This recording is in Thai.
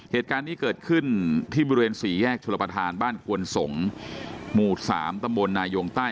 เหตุการณ์นี้เกิดขึ้นที่บริเวณสี่แยกชลประธานบ้านกวนสงศ์หมู่๓ตำบลนายงใต้